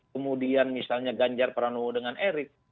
kemudian misalnya ganjar prabowo dengan erick